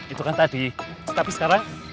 itu kan tadi tapi sekarang